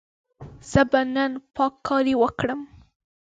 زه به نن پاککاري وکړم.